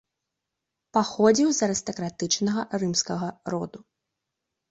Паходзіў з арыстакратычнага рымскага роду.